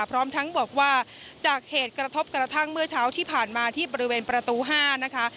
พร้อมทั้งบอกว่าจากเหตุกระทบกระทั่งเมื่อเช้าที่ผ่านมาที่บริเวณประตู๕นะคะ